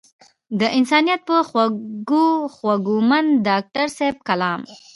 د انسانيت پۀ خوږو خوږمند د ډاکټر صېب کلام